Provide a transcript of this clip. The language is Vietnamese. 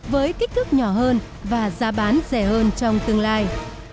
với kích thước nhỏ hơn và giá bán rẻ hơn trong tương lai